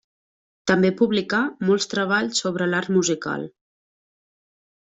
També publicà molts treballs sobre l'art musical.